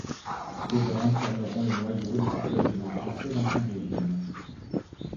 Ces bandes formeront les noyaux des futurs régiments français d'Ancien Régime.